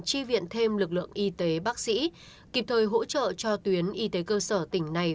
chi viện thêm lực lượng y tế bác sĩ kịp thời hỗ trợ cho tuyến y tế cơ sở tỉnh này